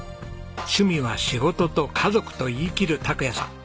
「趣味は仕事と家族」と言いきる拓也さん。